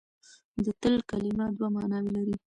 د تل کلمه دوه ماناوې لري.